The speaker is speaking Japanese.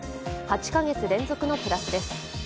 ８か月連続のプラスです。